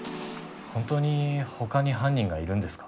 本当に他に犯人がいるんですか？